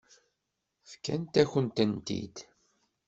Fkant-akent-tent-id.